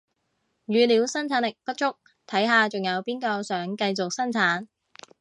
語料生產力不足，睇下仲有邊個想繼續生產